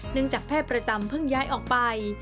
จากแพทย์ประจำเพิ่งย้ายออกไป